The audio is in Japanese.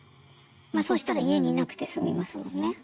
そうしたら家に居なくて済みますもんね。